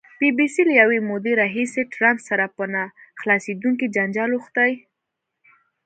بي بي سي له یوې مودې راهیسې ټرمپ سره په نه خلاصېدونکي جنجال اوښتې.